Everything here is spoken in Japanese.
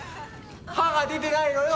刃が出てないのよ。